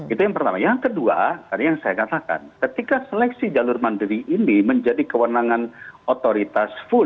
itu yang pertama yang kedua tadi yang saya katakan ketika seleksi jalur mandiri ini menjadi kewenangan otoritas full